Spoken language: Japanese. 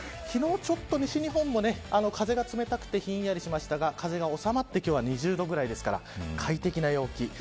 昨日ちょっと西日本も風が冷たくてひんやりしましたが風が治まって今日は２０度ぐらいですから快適な陽気。